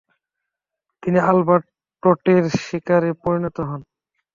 তিনি আলবার্ট ট্রটের শিকারে পরিণত হন।